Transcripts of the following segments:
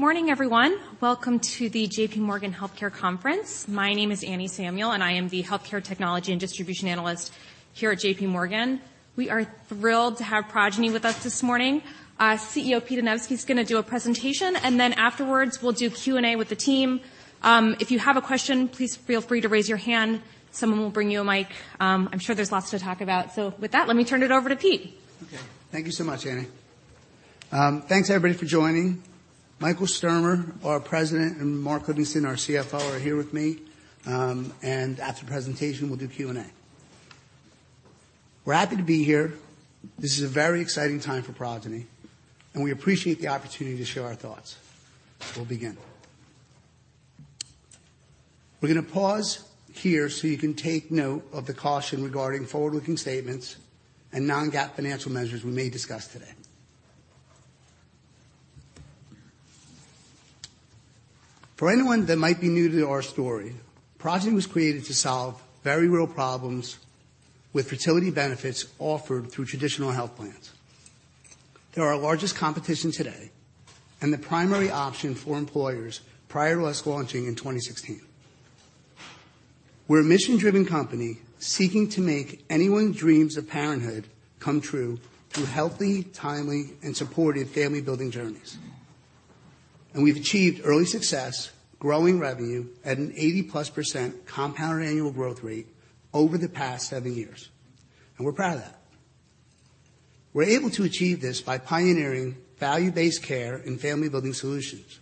Morning, everyone. Welcome to the JPMorgan Healthcare Conference. My name is Annie Samuel, and I am the healthcare technology and distribution analyst here at JPMorgan. We are thrilled to have Progyny with us this morning. CEO Peter Anevski is gonna do a presentation, and then afterwards, we'll do Q&A with the team. If you have a question, please feel free to raise your hand. Someone will bring you a mic. I'm sure there's lots to talk about. With that, let me turn it over to Pete. Okay. Thank you so much, Annie. Thanks everybody for joining. Michael Sturmer, our President, and Mark Livingston, our CFO, are here with me. After the presentation, we'll do Q&A. We're happy to be here. This is a very exciting time for Progyny. We appreciate the opportunity to share our thoughts. We'll begin. We're gonna pause here so you can take note of the caution regarding forward-looking statements and non-GAAP financial measures we may discuss today. For anyone that might be new to our story, Progyny was created to solve very real problems with fertility benefits offered through traditional health plans. They're our largest competition today and the primary option for employers prior to us launching in 2016. We're a mission-driven company seeking to make anyone's dreams of parenthood come true through healthy, timely, and supportive family-building journeys. We've achieved early success growing revenue at an 80+% compounded annual growth rate over the past seven years, and we're proud of that. We're able to achieve this by pioneering value-based care and family-building solutions.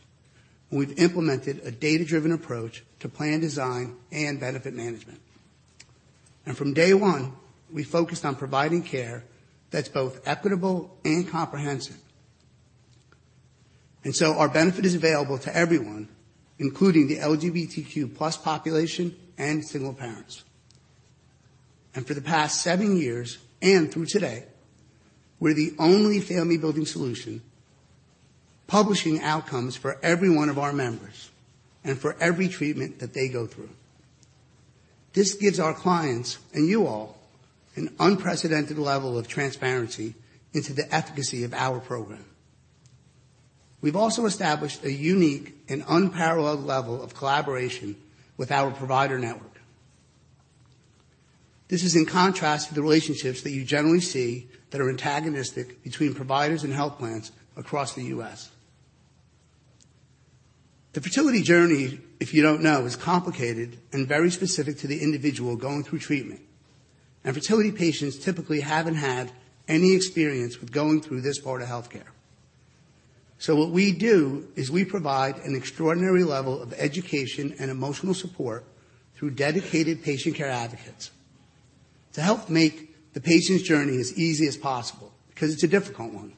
We've implemented a data-driven approach to plan design and benefit management. From day one, we focused on providing care that's both equitable and comprehensive. Our benefit is available to everyone, including the LGBTQ+ population and single parents. For the past seven years and through today, we're the only family-building solution publishing outcomes for every one of our members and for every treatment that they go through. This gives our clients and you all an unprecedented level of transparency into the efficacy of our program. We've also established a unique and unparalleled level of collaboration with our provider network. This is in contrast to the relationships that you generally see that are antagonistic between providers and health plans across the U.S. The fertility journey, if you don't know, is complicated and very specific to the individual going through treatment. Fertility patients typically haven't had any experience with going through this part of healthcare. What we do is we provide an extraordinary level of education and emotional support through dedicated patient care advocates to help make the patient's journey as easy as possible because it's a difficult one.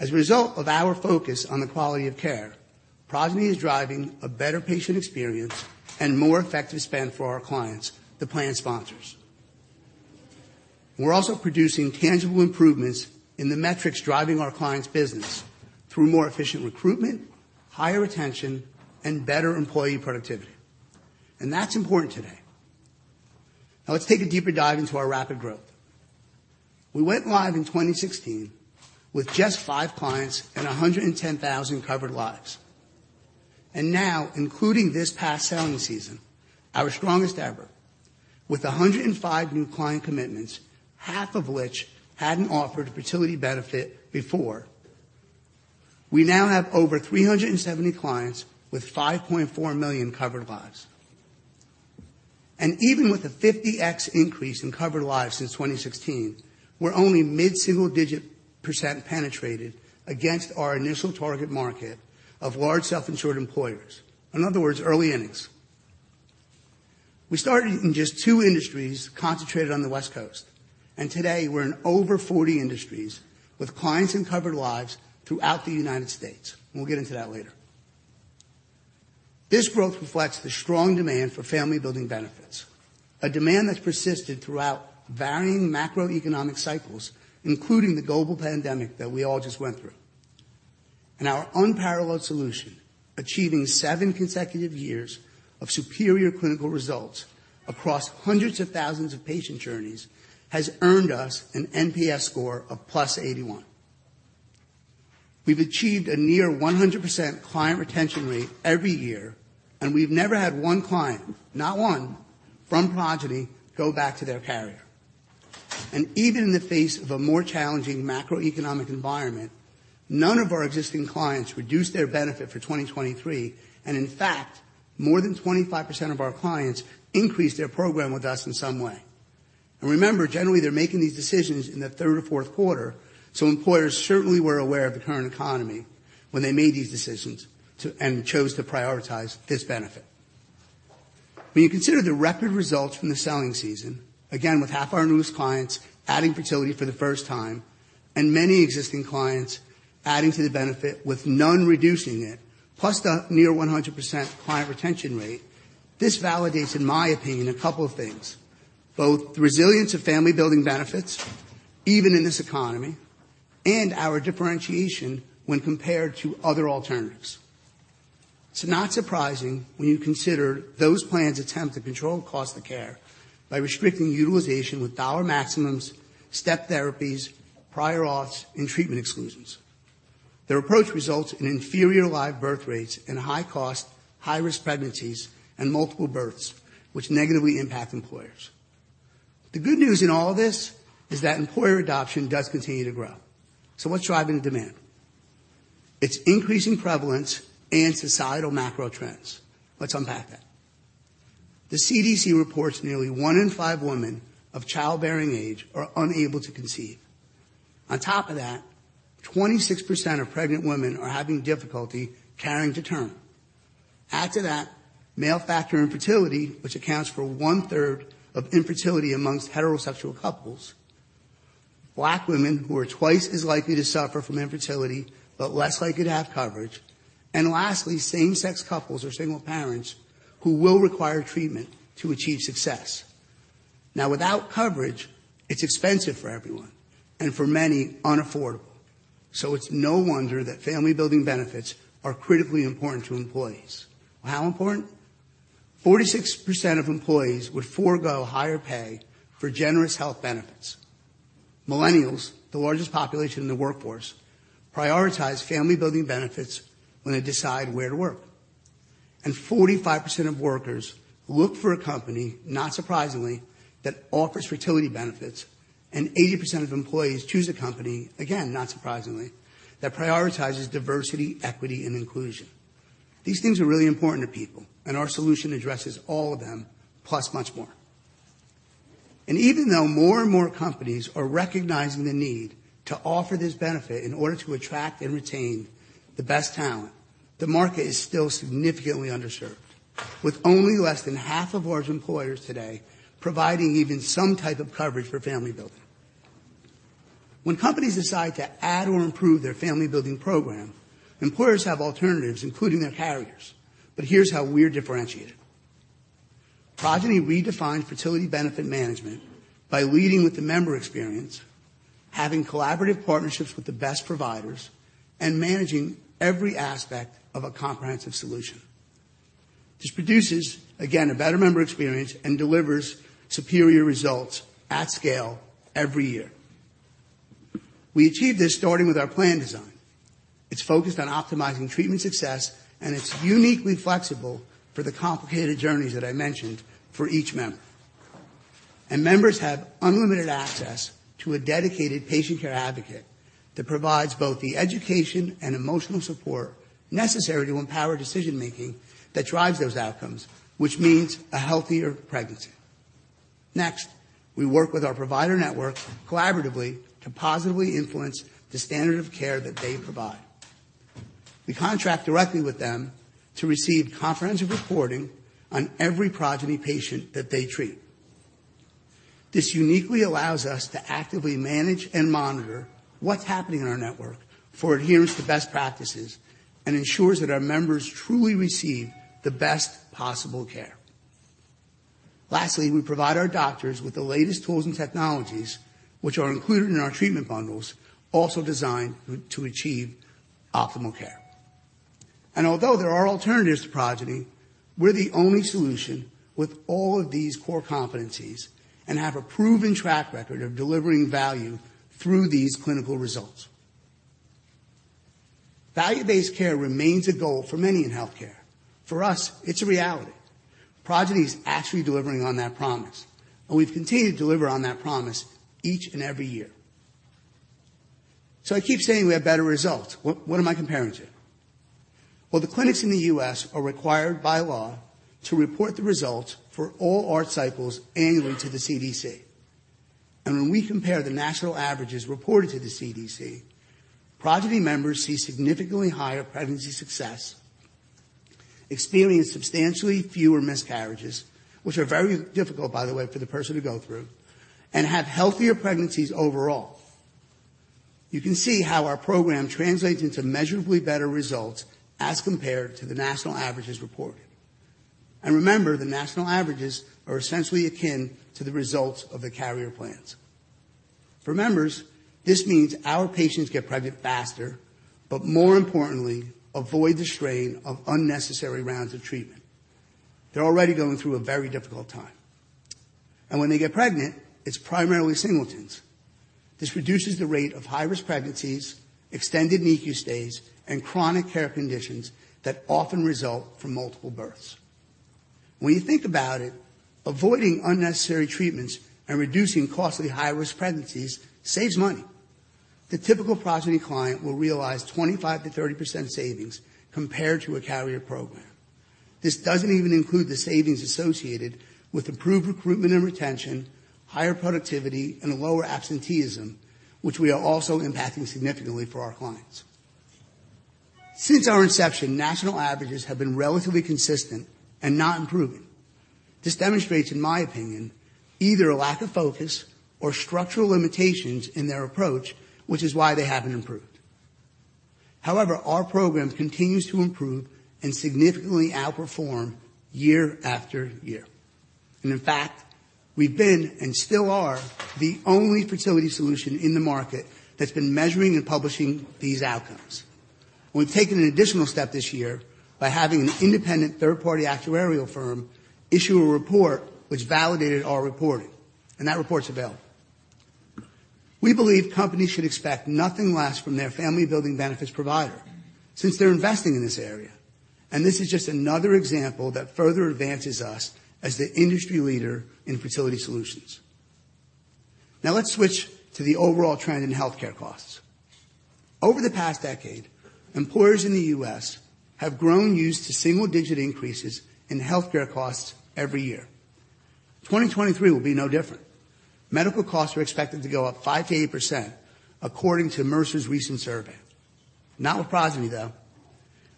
As a result of our focus on the quality of care, Progyny is driving a better patient experience and more effective spend for our clients, the plan sponsors. We're also producing tangible improvements in the metrics driving our clients' business through more efficient recruitment, higher retention, and better employee productivity. That's important today. Now let's take a deeper dive into our rapid growth. We went live in 2016 with just five clients and 110,000 covered lives. Now including this past selling season, our strongest ever, with 105 new client commitments, half of which hadn't offered fertility benefit before. We now have over 370 clients with 5.4 million covered lives. Even with a 50x increase in covered lives since 2016, we're only mid-single-digit % penetrated against our initial target market of large self-insured employers. In other words, early innings. We started in just two industries concentrated on the West Coast, and today we're in over 40 industries with clients and covered lives throughout the U.S. We'll get into that later. This growth reflects the strong demand for family-building benefits, a demand that's persisted throughout varying macroeconomic cycles, including the global pandemic that we all just went through. Our unparalleled solution, achieving seven consecutive years of superior clinical results across hundreds of thousands of patient journeys, has earned us an NPS score of +81. We've achieved a near 100% client retention rate every year, and we've never had one client, not one, from Progyny go back to their carrier. Even in the face of a more challenging macroeconomic environment, none of our existing clients reduced their benefit for 2023. In fact, more than 25% of our clients increased their program with us in some way. Remember, generally, they're making these decisions in the third or fourth quarter. Employers certainly were aware of the current economy when they made these decisions to and chose to prioritize this benefit. When you consider the rapid results from the selling season, again, with half our newest clients adding fertility for the first time and many existing clients adding to the benefit with none reducing it, plus the near 100% client retention rate. This validates, in my opinion, a couple of things, both the resilience of family-building benefits even in this economy and our differentiation when compared to other alternatives. It's not surprising when you consider those plans attempt to control cost of care by restricting utilization with dollar maximums, step therapies, prior auths, and treatment exclusions. Their approach results in inferior live birth rates and high-cost, high-risk pregnancies and multiple births, which negatively impact employers. The good news in all of this is that employer adoption does continue to grow. What's driving the demand? It's increasing prevalence and societal macro trends. Let's unpack that. The CDC reports nearly one in five women of childbearing age are unable to conceive. On top of that, 26% of pregnant women are having difficulty carrying to term. Add to that male factor infertility, which accounts for one-third of infertility amongst heterosexual couples. Black women who are twice as likely to suffer from infertility, but less likely to have coverage. Lastly, same-sex couples or single parents who will require treatment to achieve success. Without coverage, it's expensive for everyone, and for many, unaffordable. It's no wonder that family-building benefits are critically important to employees. How important? 46% of employees would forego higher pay for generous health benefits. Millennials, the largest population in the workforce, prioritize family-building benefits when they decide where to work. 45% of workers look for a company, not surprisingly, that offers fertility benefits, and 80% of employees choose a company, again, not surprisingly, that prioritizes diversity, equity, and inclusion. These things are really important to people, and our solution addresses all of them, plus much more. Even though more and more companies are recognizing the need to offer this benefit in order to attract and retain the best talent, the market is still significantly underserved, with only less than half of large employers today providing even some type of coverage for family building. When companies decide to add or improve their family building program, employers have alternatives, including their carriers. Here's how we're differentiated. Progyny redefines fertility benefit management by leading with the member experience, having collaborative partnerships with the best providers, and managing every aspect of a comprehensive solution. This produces, again, a better member experience and delivers superior results at scale every year. We achieve this starting with our plan design. It's focused on optimizing treatment success, and it's uniquely flexible for the complicated journeys that I mentioned for each member. And members have unlimited access to a dedicated patient care advocate that provides both the education and emotional support necessary to empower decision-making that drives those outcomes, which means a healthier pregnancy. Next, we work with our provider network collaboratively to positively influence the standard of care that they provide. We contract directly with them to receive comprehensive reporting on every Progyny patient that they treat. This uniquely allows us to actively manage and monitor what's happening in our network for adherence to best practices and ensures that our members truly receive the best possible care. Lastly, we provide our doctors with the latest tools and technologies, which are included in our treatment bundles, also designed to achieve optimal care. Although there are alternatives to Progyny, we're the only solution with all of these core competencies and have a proven track record of delivering value through these clinical results. Value-based care remains a goal for many in healthcare. For us, it's a reality. Progyny is actually delivering on that promise, and we've continued to deliver on that promise each and every year. I keep saying we have better results. What am I comparing to? Well, the clinics in the U.S. are required by law to report the results for all ART cycles annually to the CDC. When we compare the national averages reported to the CDC, Progyny members see significantly higher pregnancy success, experience substantially fewer miscarriages, which are very difficult, by the way, for the person to go through, and have healthier pregnancies overall. You can see how our program translates into measurably better results as compared to the national averages reported. Remember, the national averages are essentially akin to the results of the carrier plans. For members, this means our patients get pregnant faster, but more importantly, avoid the strain of unnecessary rounds of treatment. They're already going through a very difficult time. When they get pregnant, it's primarily singletons. This reduces the rate of high-risk pregnancies, extended NICU stays, and chronic care conditions that often result from multiple births. When you think about it, avoiding unnecessary treatments and reducing costly high-risk pregnancies saves money. The typical Progyny client will realize 25%-30% savings compared to a carrier program. This doesn't even include the savings associated with improved recruitment and retention, higher productivity, and lower absenteeism, which we are also impacting significantly for our clients. Since our inception, national averages have been relatively consistent and not improving. This demonstrates, in my opinion, either a lack of focus or structural limitations in their approach, which is why they haven't improved. Our program continues to improve and significantly outperform year after year. In fact, we've been and still are the only fertility solution in the market that's been measuring and publishing these outcomes. We've taken an additional step this year by having an independent third-party actuarial firm issue a report which validated our reporting, and that report's available. We believe companies should expect nothing less from their family building benefits provider since they're investing in this area. This is just another example that further advances us as the industry leader in fertility solutions. Now let's switch to the overall trend in healthcare costs. Over the past decade, employers in the U.S. have grown used to single-digit increases in healthcare costs every year. 2023 will be no different. Medical costs are expected to go up 5%-8% according to Mercer's recent survey. Not with Progyny, though.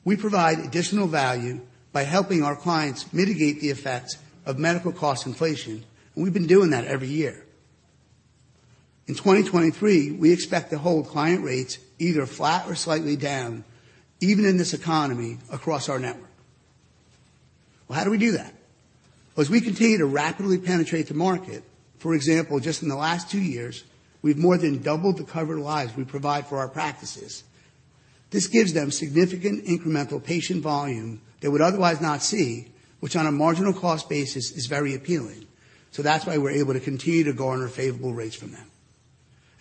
We provide additional value by helping our clients mitigate the effects of medical cost inflation, we've been doing that every year. In 2023, we expect to hold client rates either flat or slightly down, even in this economy across our network. Well, how do we do that? Well, as we continue to rapidly penetrate the market. For example, just in the last two years, we've more than doubled the covered lives we provide for our practices. This gives them significant incremental patient volume they would otherwise not see, which on a marginal cost basis is very appealing. That's why we're able to continue to go on our favorable rates from them.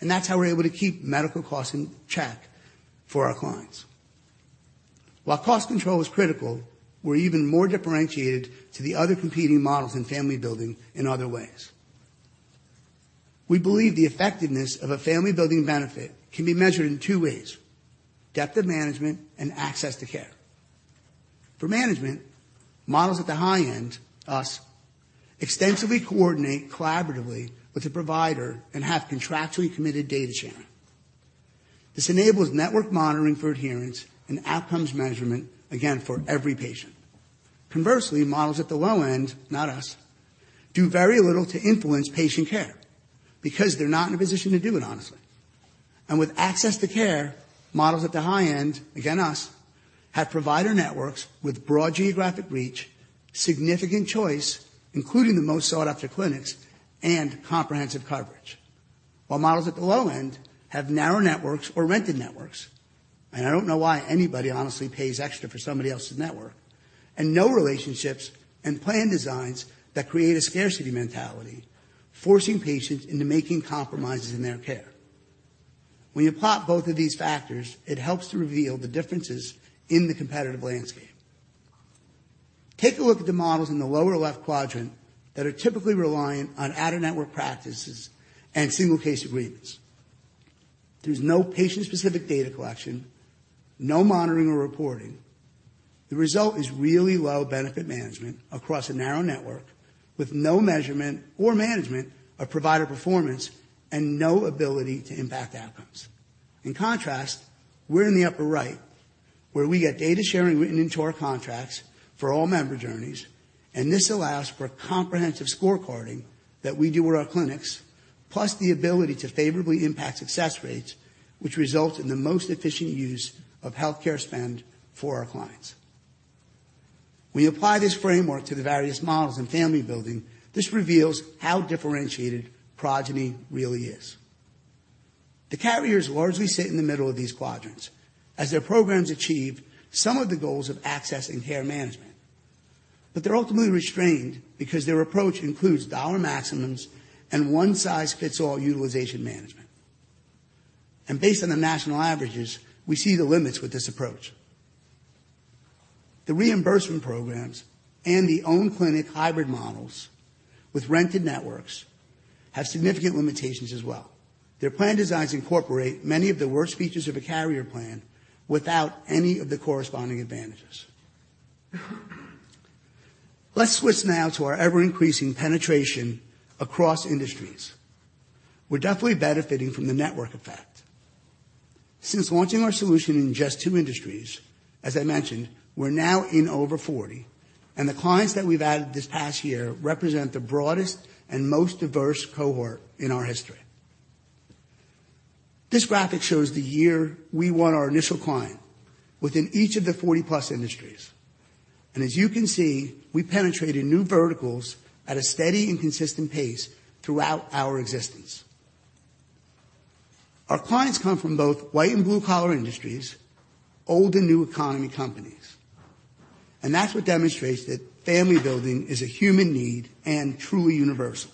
That's how we're able to keep medical costs in check for our clients. While cost control is critical, we're even more differentiated to the other competing models in family building in other ways. We believe the effectiveness of a family building benefit can be measured in two ways: depth of management and access to care. For management, models at the high end, us, extensively coordinate collaboratively with the provider and have contractually committed data sharing. This enables network monitoring for adherence and outcomes measurement, again, for every patient. Conversely, models at the low end, not us, do very little to influence patient care because they're not in a position to do it, honestly. With access to care, models at the high end, again, us, have provider networks with broad geographic reach, significant choice, including the most sought-after clinics and comprehensive coverage. While models at the low end have narrow networks or rented networks. I don't know why anybody honestly pays extra for somebody else's network. No relationships and plan designs that create a scarcity mentality, forcing patients into making compromises in their care. When you plot both of these factors, it helps to reveal the differences in the competitive landscape. Take a look at the models in the lower left quadrant that are typically reliant on out-of-network practices and single case agreements. There's no patient-specific data collection, no monitoring or reporting. The result is really low benefit management across a narrow network with no measurement or management of provider performance and no ability to impact outcomes. In contrast, we're in the upper right where we get data sharing written into our contracts for all member journeys, and this allows for comprehensive scorecarding that we do with our clinics, plus the ability to favorably impact success rates, which result in the most efficient use of healthcare spend for our clients. We apply this framework to the various models in family building. This reveals how differentiated Progyny really is. The carriers largely sit in the middle of these quadrants as their programs achieve some of the goals of accessing care management. They're ultimately restrained because their approach includes dollar maximums and one-size-fits-all utilization management. Based on the national averages, we see the limits with this approach. The reimbursement programs and the own clinic hybrid models with rented networks have significant limitations as well. Their plan designs incorporate many of the worst features of a carrier plan without any of the corresponding advantages. Let's switch now to our ever-increasing penetration across industries. We're definitely benefiting from the network effect. Since launching our solution in just two industries, as I mentioned, we're now in over 40, and the clients that we've added this past year represent the broadest and most diverse cohort in our history. This graphic shows the year we won our initial client within each of the 40-plus industries. As you can see, we penetrated new verticals at a steady and consistent pace throughout our existence. Our clients come from both white and blue-collar industries, old and new economy companies. That's what demonstrates that family building is a human need and truly universal.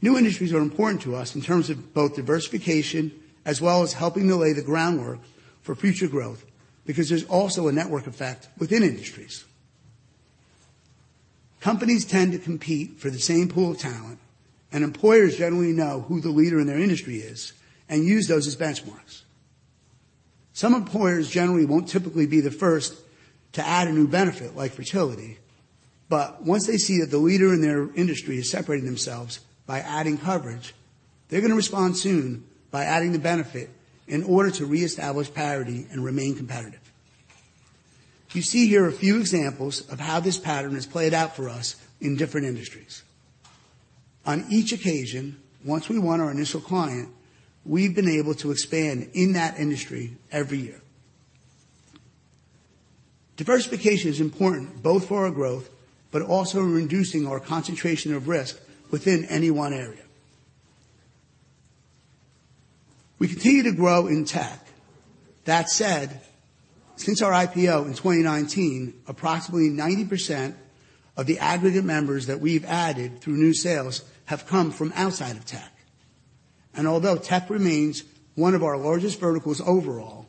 New industries are important to us in terms of both diversification as well as helping to lay the groundwork for future growth, because there's also a network effect within industries. Companies tend to compete for the same pool of talent, and employers generally know who the leader in their industry is and use those as benchmarks. Some employers generally won't typically be the first to add a new benefit like fertility. Once they see that the leader in their industry is separating themselves by adding coverage, they're gonna respond soon by adding the benefit in order to reestablish parity and remain competitive. You see here a few examples of how this pattern has played out for us in different industries. On each occasion, once we won our initial client, we've been able to expand in that industry every year. Diversification is important both for our growth but also in reducing our concentration of risk within any one area. We continue to grow in tech. That said, since our IPO in 2019, approximately 90% of the aggregate members that we've added through new sales have come from outside of tech. Although tech remains one of our largest verticals overall,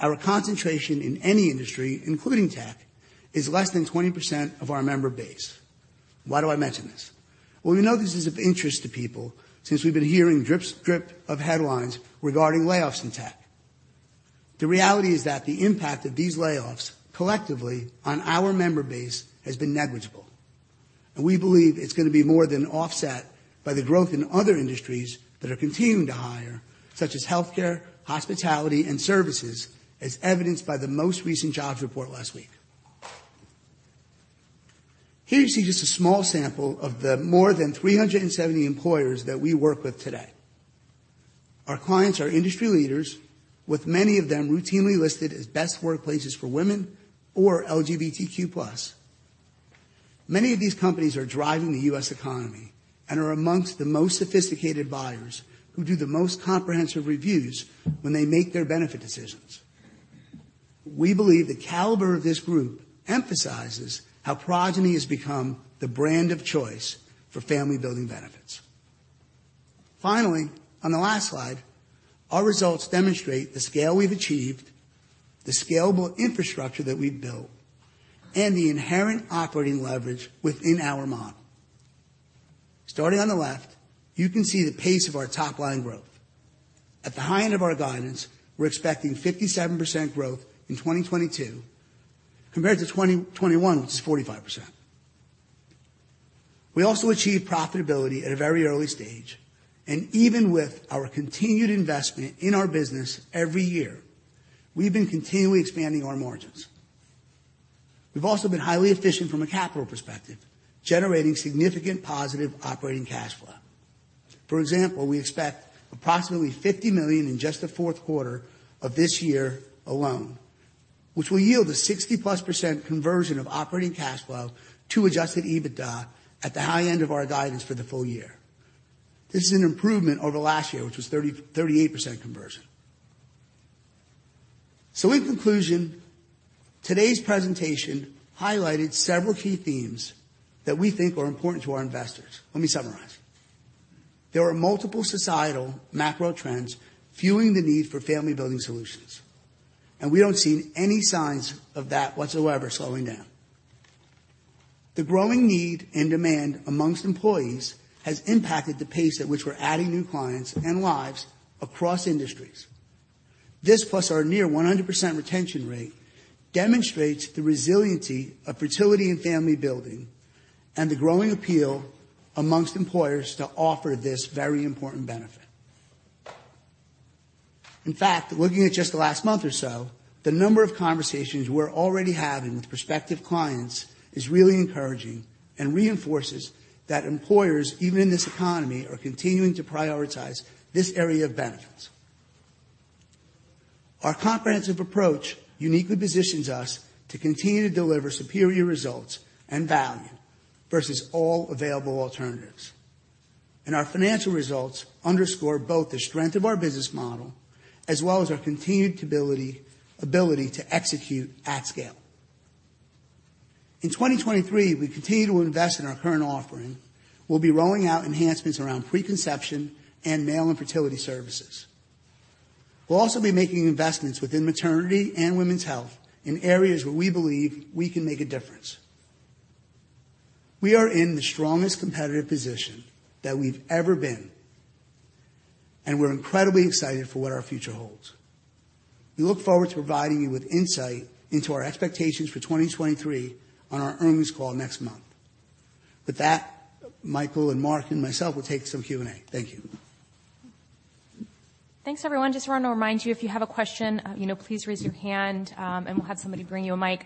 our concentration in any industry, including tech, is less than 20% of our member base. Why do I mention this? Well, we know this is of interest to people since we've been hearing drip of headlines regarding layoffs in tech. The reality is that the impact of these layoffs collectively on our member base has been negligible, and we believe it's going to be more than offset by the growth in other industries that are continuing to hire, such as healthcare, hospitality, and services, as evidenced by the most recent jobs report last week. Here you see just a small sample of the more than 370 employers that we work with today. Our clients are industry leaders, with many of them routinely listed as best workplaces for women or LGBTQ+. Many of these companies are driving the U.S. economy and are amongst the most sophisticated buyers who do the most comprehensive reviews when they make their benefit decisions. We believe the caliber of this group emphasizes how Progyny has become the brand of choice for family-building benefits. On the last slide, our results demonstrate the scale we've achieved, the scalable infrastructure that we've built, and the inherent operating leverage within our model. Starting on the left, you can see the pace of our top-line growth. At the high end of our guidance, we're expecting 57% growth in 2022 compared to 2021, which is 45%. We also achieved profitability at a very early stage, even with our continued investment in our business every year, we've been continually expanding our margins. We've also been highly efficient from a capital perspective, generating significant positive operating cash flow. For example, we expect approximately $50 million in just the fourth quarter of this year alone, which will yield a 60%+ conversion of operating cash flow to adjusted EBITDA at the high end of our guidance for the full year. This is an improvement over last year, which was 38% conversion. In conclusion, today's presentation highlighted several key themes that we think are important to our investors. Let me summarize. There are multiple societal macro trends fueling the need for family-building solutions, and we don't see any signs of that whatsoever slowing down. The growing need and demand amongst employees has impacted the pace at which we're adding new clients and lives across industries. This, plus our near 100% retention rate, demonstrates the resiliency of fertility and family building and the growing appeal amongst employers to offer this very important benefit. In fact, looking at just the last month or so, the number of conversations we're already having with prospective clients is really encouraging and reinforces that employers, even in this economy, are continuing to prioritize this area of benefits. Our comprehensive approach uniquely positions us to continue to deliver superior results and value versus all available alternatives. Our financial results underscore both the strength of our business model as well as our continued ability to execute at scale. In 2023, we continue to invest in our current offering. We'll be rolling out enhancements around preconception and male infertility services. We'll also be making investments within maternity and women's health in areas where we believe we can make a difference. We are in the strongest competitive position that we've ever been, and we're incredibly excited for what our future holds. We look forward to providing you with insight into our expectations for 2023 on our earnings call next month. With that, Michael and Mark and myself will take some Q&A. Thank you. Thanks, everyone. Just wanted to remind you, if you have a question, you know, please raise your hand, and we'll have somebody bring you a mic.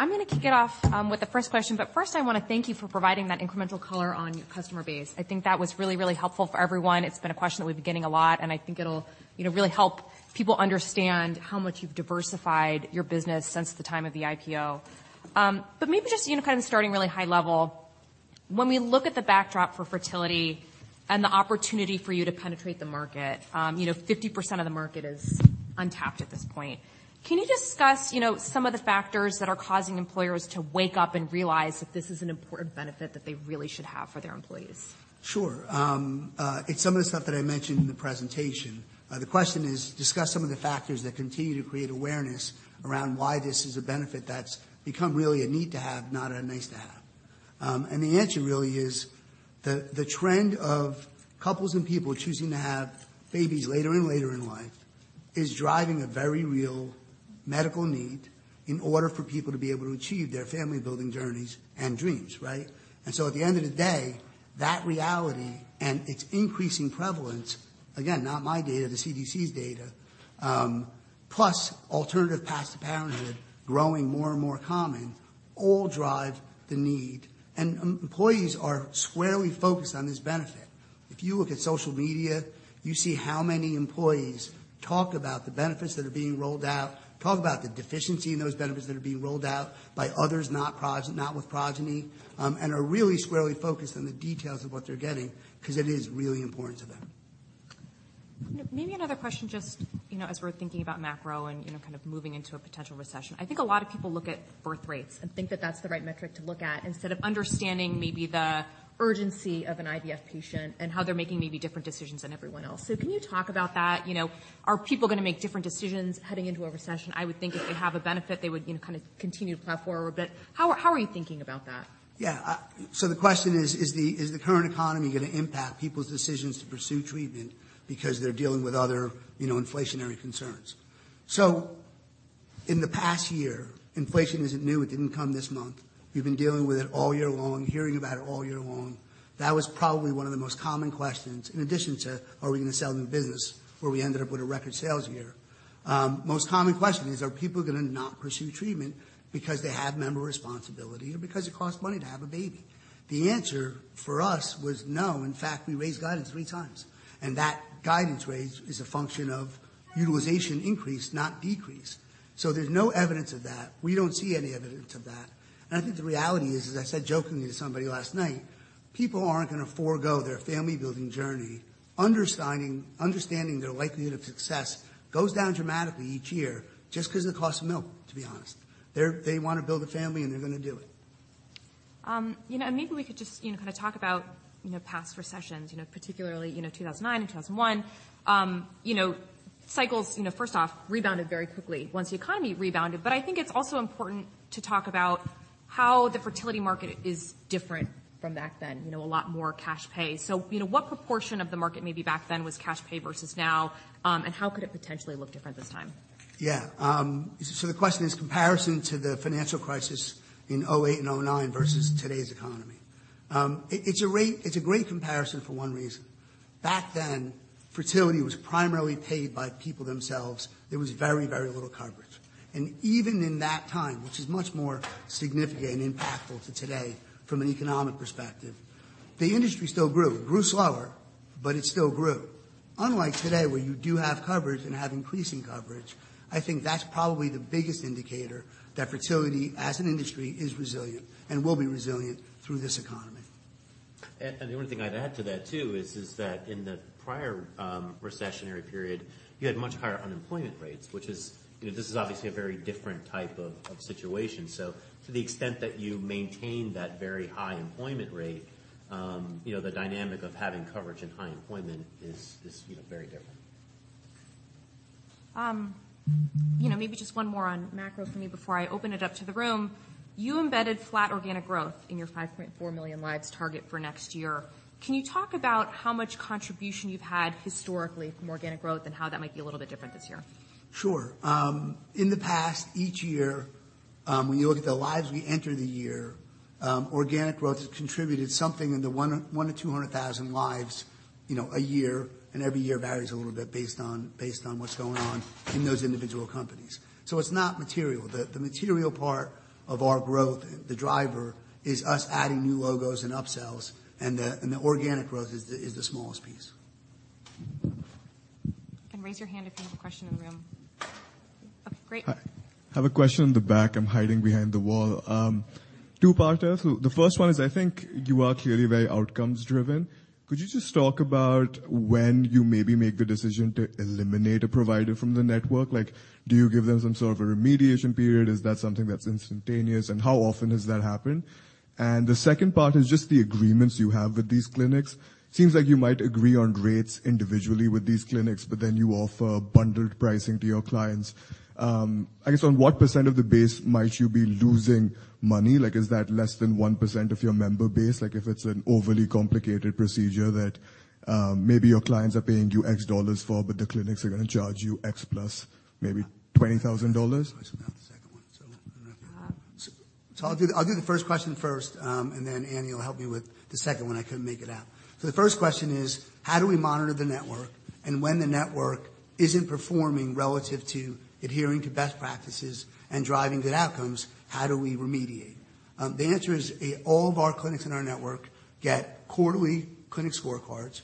I'm gonna kick it off with the first question. First I wanna thank you for providing that incremental color on your customer base. I think that was really, really helpful for everyone. It's been a question that we've been getting a lot, and I think it'll, you know, really help people understand how much you've diversified your business since the time of the IPO. Maybe just, you know, kind of starting really high level, when we look at the backdrop for fertility and the opportunity for you to penetrate the market, you know, 50% of the market is untapped at this point. Can you discuss, you know, some of the factors that are causing employers to wake up and realize that this is an important benefit that they really should have for their employees? Sure. It's some of the stuff that I mentioned in the presentation. The question is, discuss some of the factors that continue to create awareness around why this is a benefit that's become really a need to have, not a nice to have. The answer really is the trend of couples and people choosing to have babies later and later in life is driving a very real medical need in order for people to be able to achieve their family-building journeys and dreams, right? At the end of the day, that reality and its increasing prevalence, again, not my data, the CDC's data, plus alternative paths to parenthood growing more and more common, all drive the need. Employees are squarely focused on this benefit. If you look at social media, you see how many employees talk about the benefits that are being rolled out, talk about the deficiency in those benefits that are being rolled out by others, not with Progyny, and are really squarely focused on the details of what they're getting 'cause it is really important to them. Maybe another question, just, you know, as we're thinking about macro and, you know, kind of moving into a potential recession. I think a lot of people look at birth rates and think that that's the right metric to look at instead of understanding maybe the urgency of an IVF patient and how they're making maybe different decisions than everyone else. Can you talk about that? You know, are people gonna make different decisions heading into a recession? I would think if they have a benefit, they would, you know, kind of continue to plan forward. How are you thinking about that? Yeah. The question is: Is the current economy gonna impact people's decisions to pursue treatment because they're dealing with other, you know, inflationary concerns? In the past year, inflation isn't new. It didn't come this month. We've been dealing with it all year long, hearing about it all year long. That was probably one of the most common questions, in addition to, "Are we going to sell the business?" where we ended up with a record sales year. Most common question is, are people gonna not pursue treatment because they have member responsibility or because it costs money to have a baby? The answer for us was no. In fact, we raised guidance 3 times, that guidance raise is a function of utilization increase, not decrease. There's no evidence of that. We don't see any evidence of that. I think the reality is, as I said jokingly to somebody last night, people aren't going to forego their family-building journey understanding their likelihood of success goes down dramatically each year just 'cause of the cost of milk, to be honest. They wanna build a family, and they're gonna do it. You know, and maybe we could just, you know, kind of talk about, you know, past recessions, you know, particularly, you know, 2009 and 2001. You know, cycles, you know, first off rebounded very quickly once the economy rebounded. I think it's also important to talk about how the fertility market is different from back then. You know, a lot more cash pay. You know, what proportion of the market maybe back then was cash pay versus now, and how could it potentially look different this time? Yeah. The question is comparison to the financial crisis in 2008 and 2009 versus. today's economy. It's a great, it's a great comparison for one reason. Back then, fertility was primarily paid by people themselves. There was very, very little coverage. Even in that time, which is much more significant and impactful to today from an economic perspective, the industry still grew. Grew slower, but it still grew. Unlike today, where you do have coverage and have increasing coverage, I think that's probably the biggest indicator that fertility as an industry is resilient and will be resilient through this economy. The only thing I'd add to that too is that in the prior recessionary period, you had much higher unemployment rates, which is, you know, this is obviously a very different type of situation. To the extent that you maintain that very high employment rate, you know, the dynamic of having coverage and high employment is, you know, very different. You know, maybe just one more on macro for me before I open it up to the room. You embedded flat organic growth in your 5.4 million lives target for next year. Can you talk about how much contribution you've had historically from organic growth and how that might be a little bit different this year? Sure. In the past, each year, when you look at the lives we enter the year, organic growth has contributed something in the 100,000-200,000 lives, you know, a year, and every year varies a little bit based on what's going on in those individual companies. It's not material. The material part of our growth, the driver, is us adding new logos and upsells and the organic growth is the smallest piece. You can raise your hand if you have a question in the room. Okay, great. I have a question in the back. I'm hiding behind the wall. Two-parter. The first one is, I think you are clearly very outcomes driven. Could you just talk about when you maybe make the decision to eliminate a provider from the network? Like, do you give them some sort of a remediation period? Is that something that's instantaneous, and how often does that happen? The second part is just the agreements you have with these clinics. Seems like you might agree on rates individually with these clinics, but then you offer bundled pricing to your clients. I guess on what % of the base might you be losing money? Like is that less than 1% of your member base? Like if it's an overly complicated procedure that, maybe your clients are paying you X dollars for, but the clinics are gonna charge you X plus maybe $20,000. I forgot the second one, so I don't know. Ah. I'll do the first question first, and then Annie will help me with the second one. I couldn't make it out. The first question is, how do we monitor the network? When the network isn't performing relative to adhering to best practices and driving good outcomes, how do we remediate? The answer is a, all of our clinics in our network get quarterly clinic scorecards.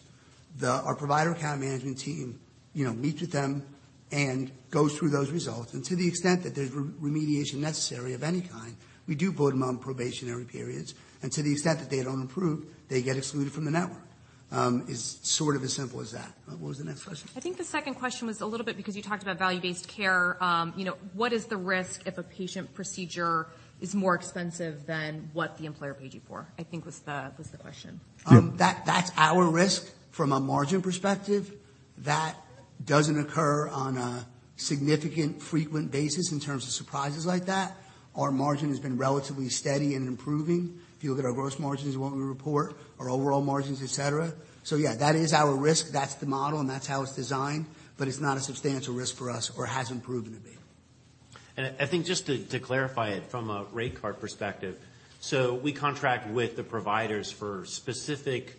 Our provider account management team, you know, meets with them and goes through those results. To the extent that there's remediation necessary of any kind, we do put them on probationary periods. To the extent that they don't improve, they get excluded from the network. It's sort of as simple as that. What was the next question? I think the second question was a little bit because you talked about value-based care. You know, what is the risk if a patient procedure is more expensive than what the employer paid you for, I think was the question. That's our risk from a margin perspective. That doesn't occur on a significant frequent basis in terms of surprises like that. Our margin has been relatively steady and improving. If you look at our gross margins, what we report, our overall margins, et cetera. Yeah, that is our risk. That's the model, and that's how it's designed, but it's not a substantial risk for us or hasn't proven to be. I think just to clarify it from a rate card perspective. We contract with the providers for specific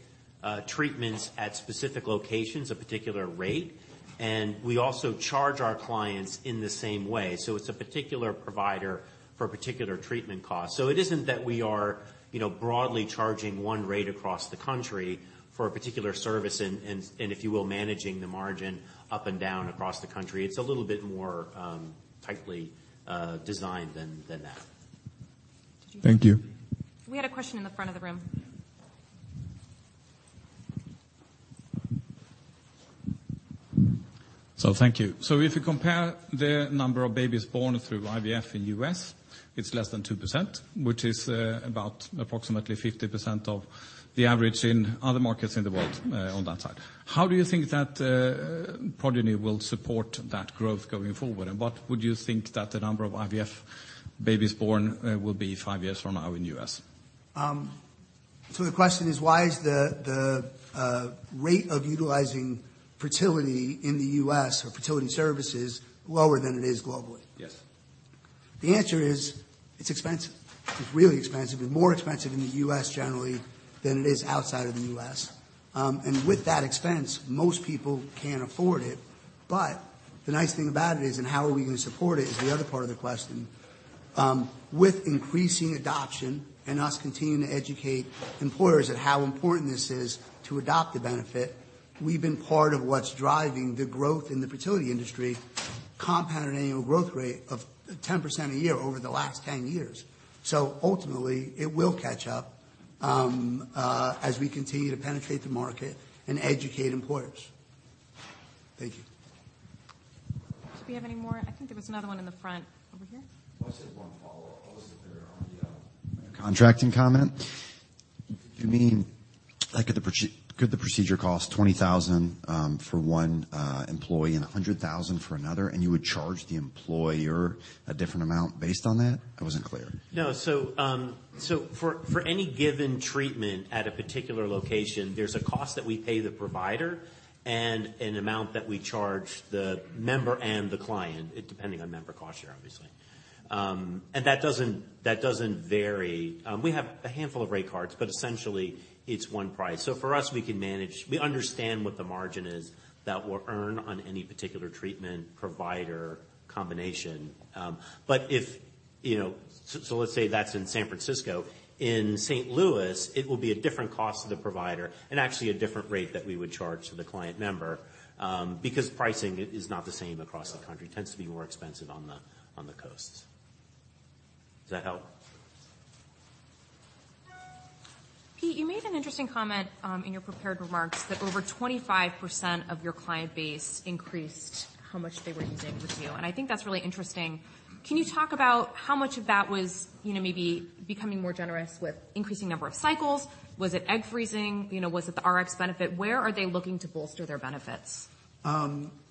treatments at specific locations, a particular rate. We also charge our clients in the same way. It's a particular provider for a particular treatment cost. It isn't that we are, you know, broadly charging one rate across the country for a particular service and if you will, managing the margin up and down across the country, it's a little bit more tightly designed than that. Thank you. We had a question in the front of the room. Thank you. If you compare the number of babies born through IVF in U.S., it's less than 2%, which is about approximately 50% of the average in other markets in the world on that side. How do you think that Progyny will support that growth going forward? What would you think that the number of IVF babies born will be five years from now in U.S.? The question is, why is the rate of utilizing fertility in the U.S. or fertility services lower than it is globally? Yes. The answer is, it's expensive. It's really expensive and more expensive in the U.S. generally than it is outside of the U.S. With that expense, most people can't afford it. The nice thing about it is and how are we gonna support it is the other part of the question. With increasing adoption and us continuing to educate employers at how important this is to adopt the benefit, we've been part of what's driving the growth in the fertility industry, compounded annual growth rate of 10% a year over the last 10 years. Ultimately, it will catch up as we continue to penetrate the market and educate employers. Thank you. Do we have any more? I think there was another one in the front over here. I just have one follow-up. I wasn't clear on the contracting comment. You mean, like could the procedure cost $20,000 for one employee and $100,000 for another, and you would charge the employer a different amount based on that? I wasn't clear. No. For, for any given treatment at a particular location, there's a cost that we pay the provider and an amount that we charge the member and the client, depending on member cost share, obviously. That doesn't, that doesn't vary. We have a handful of rate cards, essentially it's one price. For us, we understand what the margin is that we'll earn on any particular treatment provider combination. Let's say that's in San Francisco. In St. Louis, it will be a different cost to the provider and actually a different rate that we would charge to the client member, because pricing is not the same across the country. It tends to be more expensive on the, on the coasts. Does that help? Sure. Pete, you made an interesting comment in your prepared remarks that over 25% of your client base increased how much they were using with you. I think that's really interesting. Can you talk about how much of that was, you know, maybe becoming more generous with increasing number of cycles? Was it egg freezing? You know, was it the RX benefit? Where are they looking to bolster their benefits?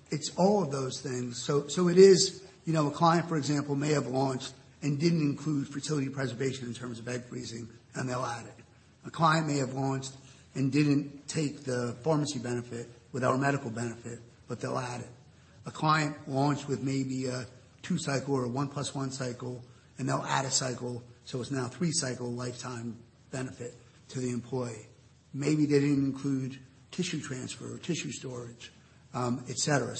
It's all of those things. It is, you know, a client, for example, may have launched and didn't include fertility preservation in terms of egg freezing, and they'll add it. A client may have launched and didn't take the pharmacy benefit with our medical benefit, they'll add it. A client launched with maybe a two cycle or a one plus one cycle, they'll add a cycle, so it's now three cycle lifetime benefit to the employee. Maybe they didn't include tissue transfer or tissue storage, et cetera.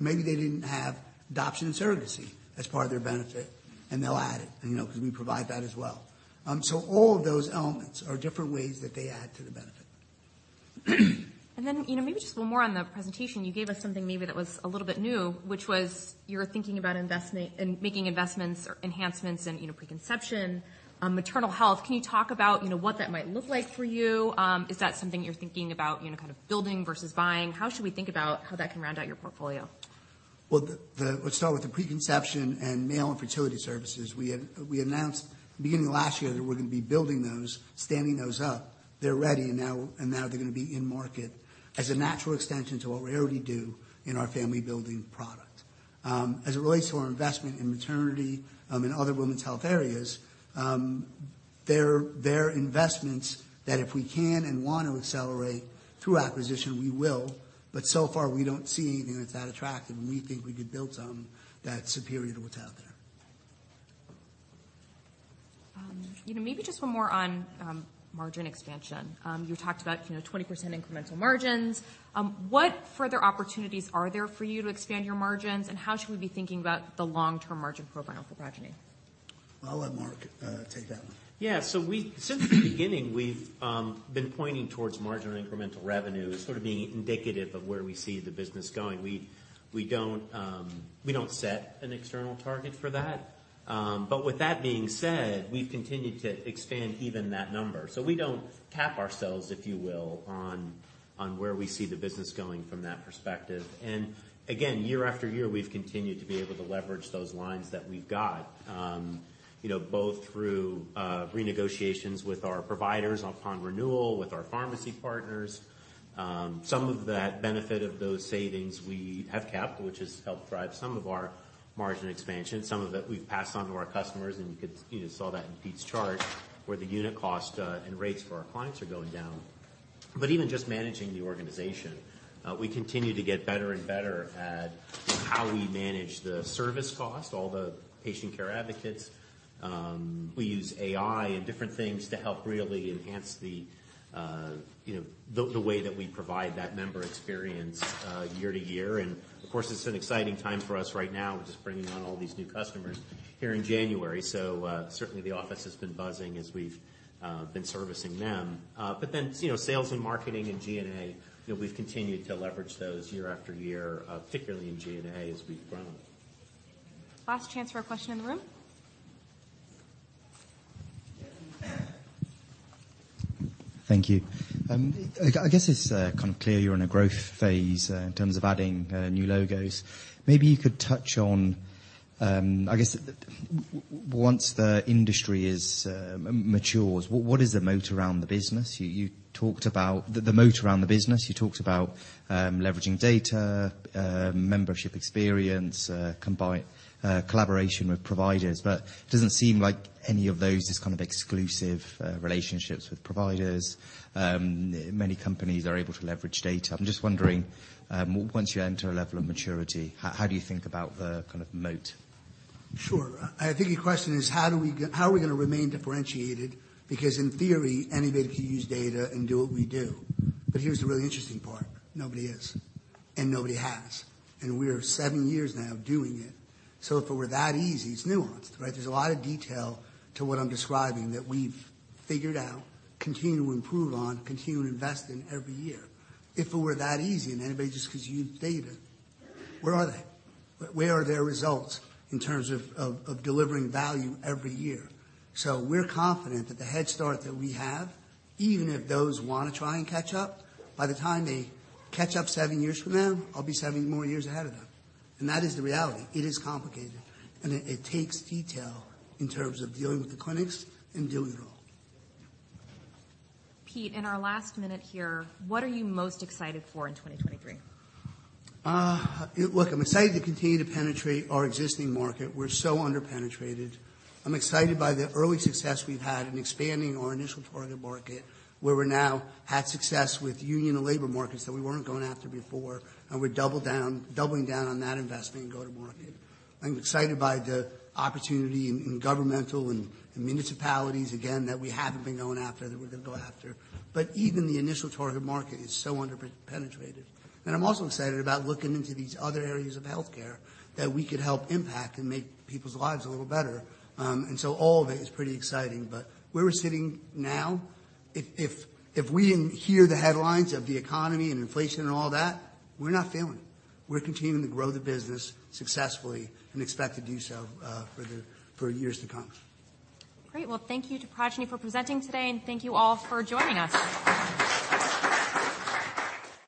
Maybe they didn't have adoption and surrogacy as part of their benefit, they'll add it, you know, 'cause we provide that as well. All of those elements are different ways that they add to the benefit. You know, maybe just one more on the presentation. You gave us something maybe that was a little bit new, which was you're thinking about in making investments or enhancements in, you know, preconception, maternal health. Can you talk about, you know, what that might look like for you? Is that something you're thinking about, you know, kind of building versus buying? How should we think about how that can round out your portfolio? Well, let's start with the preconception and male infertility services. We announced beginning of last year that we're gonna be building those, standing those up. They're ready, and now they're gonna be in market as a natural extension to what we already do in our family building product. As it relates to our investment in maternity, and other women's health areas, they're investments that if we can and want to accelerate through acquisition, we will. So far, we don't see anything that's that attractive, and we think we could build something that's superior to what's out there. You know, maybe just one more on, margin expansion. You talked about, you know, 20% incremental margins. What further opportunities are there for you to expand your margins, and how should we be thinking about the long-term margin profile for Progyny? I'll let Mark, take that one. Since the beginning, we've been pointing towards margin incremental revenue as sort of being indicative of where we see the business going. We, we don't set an external target for that. With that being said, we've continued to expand even that number. We don't cap ourselves, if you will, on where we see the business going from that perspective. Again, year after year, we've continued to be able to leverage those lines that we've got, you know, both through renegotiations with our providers upon renewal with our pharmacy partners. Some of the benefit of those savings we have kept, which has helped drive some of our margin expansion. Some of it we've passed on to our customers, and you could, you know, saw that in Pete's chart where the unit cost, and rates for our clients are going down. Even just managing the organization, we continue to get better and better at how we manage the service cost, all the patient care advocates. We use AI and different things to help really enhance the, you know, the way that we provide that member experience, year-to-year. Of course, it's an exciting time for us right now with just bringing on all these new customers here in January. Certainly the office has been buzzing as we've been servicing them. You know, sales and marketing and G&A, you know, we've continued to leverage those year after year, particularly in G&A as we've grown. Last chance for a question in the room. Thank you. I guess it's kind of clear you're in a growth phase in terms of adding new logos. Maybe you could touch on, I guess once the industry matures, what is the moat around the business? You talked about the moat around the business. You talked about leveraging data, membership experience, collaboration with providers. It doesn't seem like any of those is kind of exclusive relationships with providers. Many companies are able to leverage data. I'm just wondering, once you enter a level of maturity, how do you think about the kind of moat? Sure. I think your question is how are we gonna remain differentiated? In theory, anybody can use data and do what we do. Here's the really interesting part, nobody is, and nobody has, and we're seven years now doing it. If it were that easy, it's nuanced, right? There's a lot of detail to what I'm describing that we've figured out, continue to improve on, continue to invest in every year. If it were that easy and anybody just could use data, where are they? Where are their results in terms of delivering value every year? We're confident that the head start that we have, even if those wanna try and catch up, by the time they catch up seven years from now, I'll be seven more years ahead of them, and that is the reality. It is complicated, and it takes detail in terms of dealing with the clinics and dealing with it all. Pete, in our last minute here, what are you most excited for in 2023? Look, I'm excited to continue to penetrate our existing market. We're so under-penetrated. I'm excited by the early success we've had in expanding our initial target market, where we're now had success with union and labor markets that we weren't going after before, and we're doubling down on that investment and go to market. I'm excited by the opportunity in governmental and municipalities again that we haven't been going after that we're gonna go after. Even the initial target market is so under-penetrated. I'm also excited about looking into these other areas of healthcare that we could help impact and make people's lives a little better. All of it is pretty exciting. Where we're sitting now, if, if we didn't hear the headlines of the economy and inflation and all that, we're not failing. We're continuing to grow the business successfully and expect to do so for years to come. Great. Well, thank you to Progyny for presenting today, and thank you all for joining us.